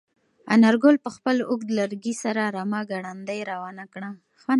انارګل په خپل اوږد لرګي سره رمه ګړندۍ روانه کړه.